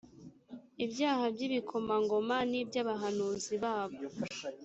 ibyaha by ibikomangoma n iby abahanuzi babo